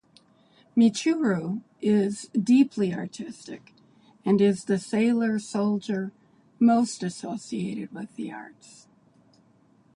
Michiru is deeply artistic and is the Sailor Soldier most associated with the arts.